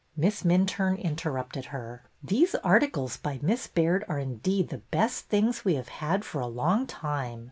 Miss Minturne interrupted her. These articles by Miss Baird are indeed the best things we have had for a long time.